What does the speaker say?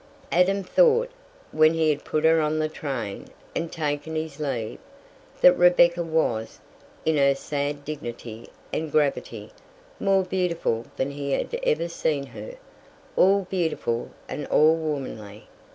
Adam thought, when he had put her on the train and taken his leave, that Rebecca was, in her sad dignity and gravity, more beautiful than he had ever seen her, all beautiful and all womanly.